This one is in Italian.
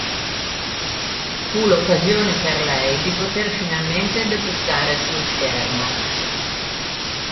Fu l'occasione, per lei, di poter finalmente debuttare sullo schermo.